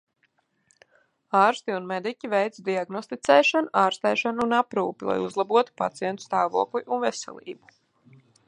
Ārsti un mediķi veic diagnosticēšanu, ārstēšanu un aprūpi, lai uzlabotu pacientu stāvokli un veselību.